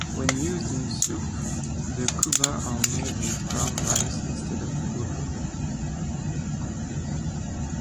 When used in soup, the "kubba" are made with ground rice instead of bulgur.